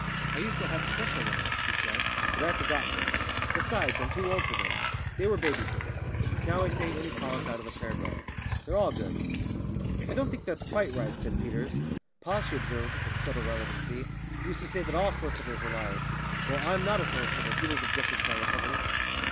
"I used to have special ones," she said, "but I've forgotten them. Besides, I'm too old for them; they were baby things. Now I say any colic out of the prayer book. They're all good." "I don't think that's quite right," said Peters. "Pa," she observed, with subtle relevancy, "used to say that all s'listers were liars." "Well, I'm not a solicitor," Peters objected triumphantly.